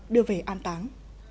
đưa về an táng